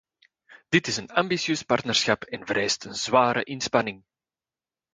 Dit is een ambitieus partnerschap en het vereist een zware inspanning.